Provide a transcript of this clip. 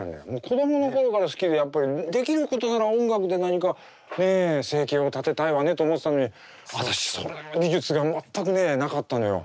子供の頃から好きでやっぱりできることなら音楽で何かねえ生計を立てたいわねと思ってたのに私その技術が全くねなかったのよ。